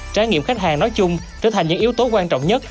trải nghiệm khách hàng nói chung trở thành những yếu tố quan trọng nhất